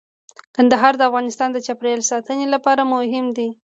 کندهار د افغانستان د چاپیریال ساتنې لپاره مهم دي.